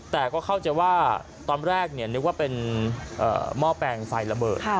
แต่ก็เข้าใจว่าตอนแรกนึกว่าเป็นหม้อแปลงไฟระเบิด